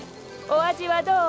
お味はどう？